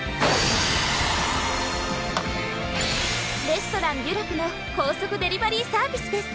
レストラン・デュ・ラクの高速デリバリーサービスです